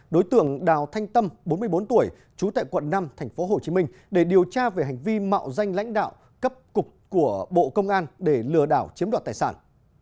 đối tượng đào thanh tâm bốn mươi bốn tuổi trú tại quận năm tp hcm để điều tra về hành vi mạo danh lãnh đạo cấp cục của bộ công an để lừa đảo chiếm đoạt tài sản